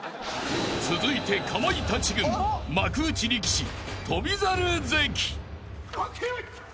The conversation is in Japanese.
［続いてかまいたち軍幕内力士翔猿関］